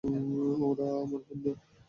ওরা আমার বন্ধু!